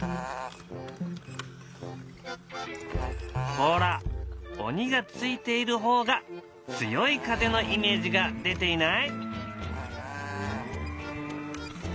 ほら鬼が付いている方が強い風のイメージが出ていない？